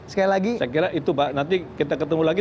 saya kira itu pak nanti kita ketemu lagi